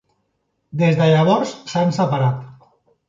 Des de llavors s'han separat.